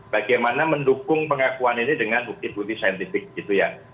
bagaimana mendukung pengakuan ini dengan bukti bukti saintifik gitu ya